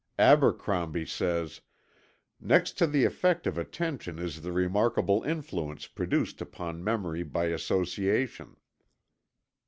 Abercrombie says: "Next to the effect of attention is the remarkable influence produced upon memory by association."